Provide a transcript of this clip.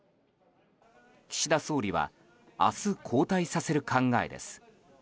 岸田総理は明日、交代させる考えです。